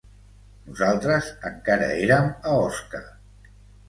Nosaltres encara érem a Osca